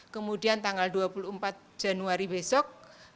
kemudian tanggal dua puluh empat januari besok